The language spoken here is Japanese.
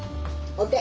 お手。